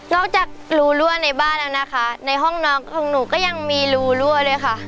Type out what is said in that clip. จากรูรั่วในบ้านแล้วนะคะในห้องนอนของหนูก็ยังมีรูรั่วเลยค่ะ